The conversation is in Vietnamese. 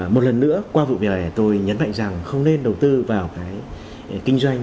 một lần nữa qua vụ việc này tôi nhấn mạnh rằng không nên đầu tư vào cái kinh doanh